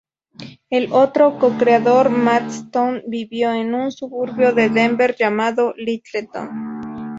El otro co-creador Matt Stone vivió en un suburbio de Denver llamado Littleton.